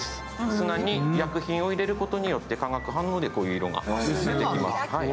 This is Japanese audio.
砂に薬品を入れることによって化学反応でこういう色が出てきます。